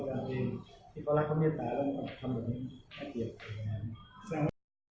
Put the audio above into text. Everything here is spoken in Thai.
คนจะต้องชวนการทางแสงหนักตัวเอง